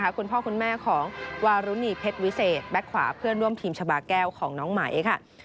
คุณพ่อคุณแม่ของวารุณีเพชรวิเศษแบ็คขวาเพื่อนร่วมทีมชาบาแก้วของน้องไหมค่ะ